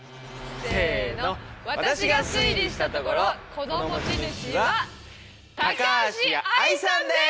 せの私が推理したところこの持ち主は高橋愛さんです！